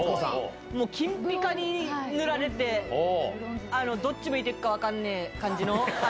もう、金ぴかに塗られて、どっち向いてるか分からねぇ感じの。